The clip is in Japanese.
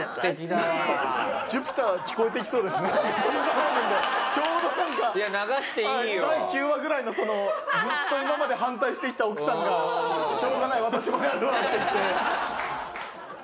第９話ぐらいのずっと今まで反対してきた奥さんが「しょうがない私もやるわ」って言って。